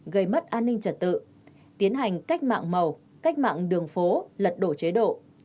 gây mất an ninh trật tự tiến hành cách mạng màu cách mạng đường phố lật đổ chế độ